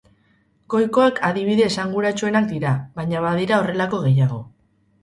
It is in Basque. Goikoak adibide esanguratsuenak dira, baina badira horrelako gehiago.